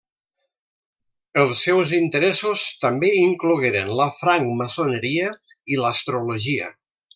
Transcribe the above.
Els seus interessos també inclogueren la francmaçoneria i l'astrologia.